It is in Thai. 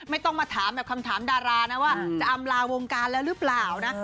ไม่ต้องมาถามแบบคำถามดารานะว่าจะอำลาวงการแล้วหรือเปล่านะ